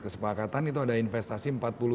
kesepakatan itu ada investasi